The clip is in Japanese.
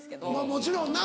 もちろんな。